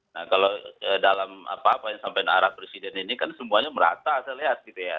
nah kalau dalam apa apa yang sampai arah presiden ini kan semuanya merata saya lihat gitu ya